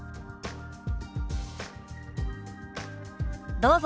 どうぞ。